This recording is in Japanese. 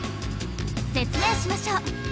説明しましょう。